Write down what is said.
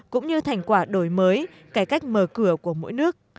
cũng như thành quả đổi mới cải cách mở cửa của mỗi nước